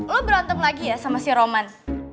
lo berantem lagi ya sama si roman